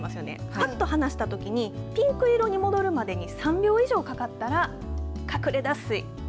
ぱっと離したときにピンク色に戻るまでに３秒以上かかったらかくれ脱水。